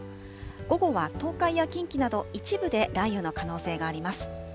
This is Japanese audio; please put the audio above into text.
午後は東海や近畿など、一部で雷雨の可能性があります。